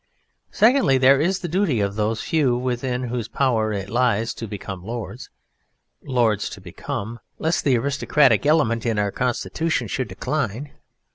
Secondly, there is the duty of those few within whose power it lies to become Lords, Lords to become, lest the aristocratic element in our Constitution should decline.